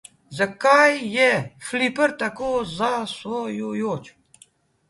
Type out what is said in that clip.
Zakaj je fliper tako zasvojujoč?